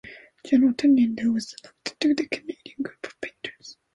Gentile Tondino was elected to the Canadian Group of Painters.